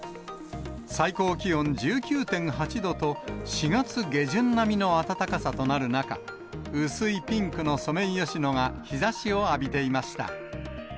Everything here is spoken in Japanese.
最高気温１９．８度と、４月下旬並みの暖かさとなる中、薄いピンクのソメイヨシノが日ざしを浴びていました。